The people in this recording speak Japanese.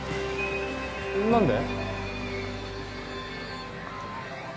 何で？